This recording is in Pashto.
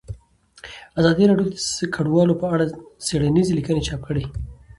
ازادي راډیو د کډوال په اړه څېړنیزې لیکنې چاپ کړي.